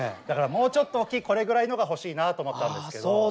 だからもうちょっと大きいこれぐらいのが欲しいなと思ったんですけど。